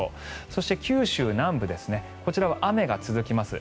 そして、九州南部こちらは雨が続きます。